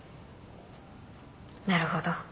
なるほど。